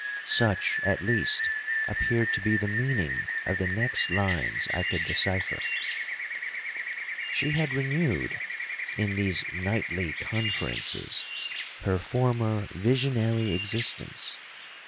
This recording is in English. Such, at least, appeared to be the meaning of the next lines I could decypher. 'She had renewed, in these nightly conferences, her former visionary existence.